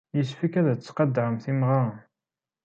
Yessefk ad tettqadaremt imɣaren.